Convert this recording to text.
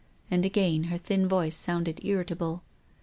And again her thin voice sounded irritable.